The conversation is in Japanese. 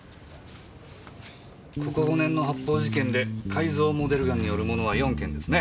ここ５年の発砲事件で改造モデルガンによるものは４件ですね。